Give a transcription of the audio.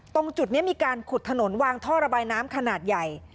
ตรงจุดนี้มีการขุดถนนวางท่อระบายน้ำขนาดใหญ่